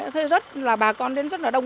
thế rất là bà con đến rất là đông